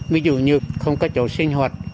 ví dụ như không có chỗ sinh hoạt